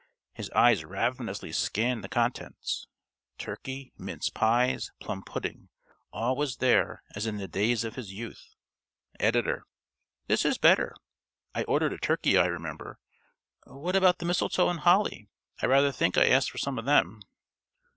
His eyes ravenously scanned the contents. Turkey, mince pies, plum pudding all was there as in the days of his youth. (~Editor.~ _This is better. I ordered a turkey, I remember. What about the mistletoe and holly? I rather think I asked for some of them.